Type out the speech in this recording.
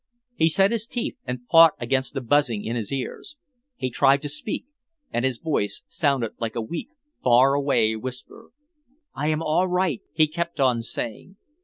He set his teeth and fought against the buzzing in his ears. He tried to speak, and his voice sounded like a weak, far away whisper. "I am all right," he kept on saying.